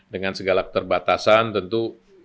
dengan segala terbatasan tentu